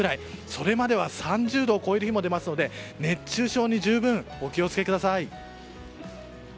それまでは３０度を超える日も出ますので熱中症に十分お気を付けください。